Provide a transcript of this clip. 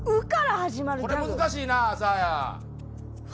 これ難しいなサーヤ。